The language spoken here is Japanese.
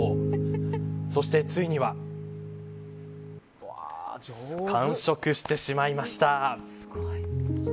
そしてついには完食してしまいました。